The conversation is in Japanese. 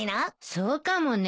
そうかもね。